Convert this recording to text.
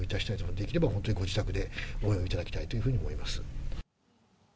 できれば本当にご自宅で応援をいただきたいというふうに思います。